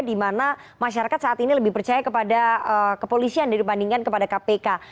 di mana masyarakat saat ini lebih percaya kepada kepolisian dibandingkan kepada kpk